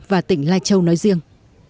và tỉnh lai châu nói riêng